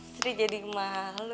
sering jadi malu